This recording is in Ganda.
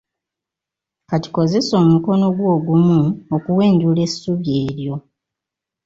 Kati kozesa omukono gwo ogumu okuwenjula essubi eryo.